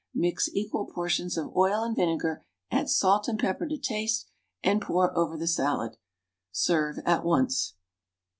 Mix equal portions of oil and vinegar, add salt and pepper to taste, and pour over the salad. Serve at once.